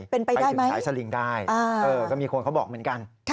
เป็นไปได้ไหมเป็นสายสลิงได้โอเคมีคนเขาบอกเหมือนกัน